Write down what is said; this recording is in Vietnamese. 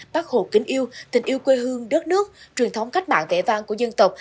bác hồ kính yêu tình yêu quê hương đất nước truyền thống cách mạng vẽ vang của dân tộc